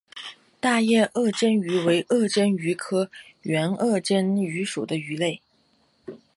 大圆颌针鱼为颌针鱼科圆颌针鱼属的鱼类。